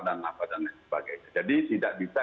dan lain sebagainya jadi tidak bisa